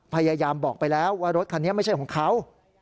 ปยายามบอกไปแล้วว่ารถขี้หันเนี่ยก็ไม่ใช่ของเขา